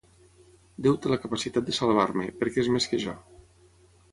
Déu té la capacitat de salvar-me, perquè és més que jo.